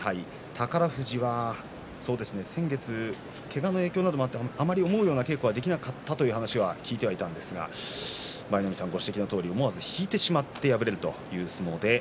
宝富士は先月、けがの影響などもあってあまり思うような稽古ができなかったという話は聞いていましたが舞の海さんご指摘のとおり引いてしまって敗れる相撲です。